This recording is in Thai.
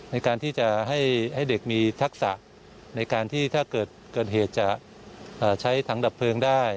ในการที่จะให้เด็กมีทักษะในการที่ถ้าเกิดเหตุจะใช้ถังดับเพลิงได้